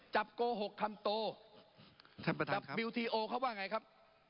โกหกคำโตจับวิวทีโอเขาว่าไงครับ